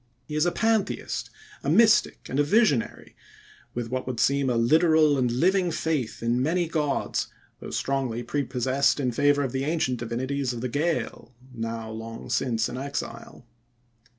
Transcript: He is a pantheist, a mystic, and a visionary, with what would seem a literal and living faith in many gods, though strongly prepossessed in favor of the ancient divinities of the Gael, now long since in exile.